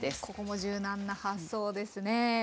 ここも柔軟な発想ですねえ。